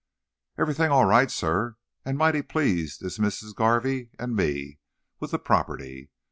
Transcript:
"Everything all right, sir, and mighty pleased is Missis Garvey and me with the property.